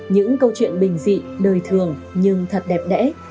những câu chuyện bình dị đời thường nhưng thật đẹp đẽ